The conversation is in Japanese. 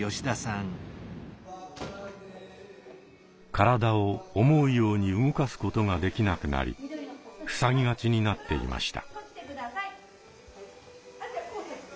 体を思うように動かすことができなくなりふさぎがちになっていました。